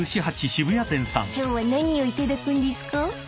［今日は何を頂くんですか？］